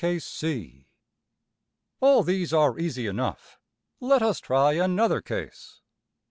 \tb All these are easy enough. Let us try another case.